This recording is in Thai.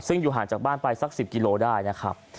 ซึ่งอยู่ห่างจากบ้านไปสัก๑๐กิโลได้นะครับ